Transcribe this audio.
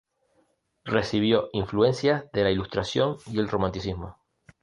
Recibió influencias de la Ilustración y el Romanticismo.